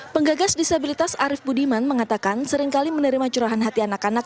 penggagas disabilitas arief budiman mengatakan seringkali menerima curahan hati anak anak